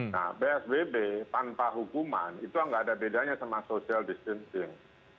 nah psbb tanpa hukuman itu nggak ada bedanya sama social distancing